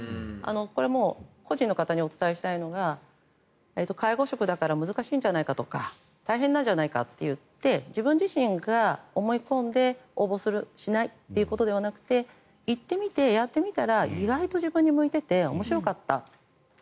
これ個人の方にお伝えしたいのが介護職だから難しいんじゃないかとか大変なんじゃないかといって自分自身が思い込んで応募するしないということではなくて行ってみて、やってみたら意外と自分に向いていて面白かった。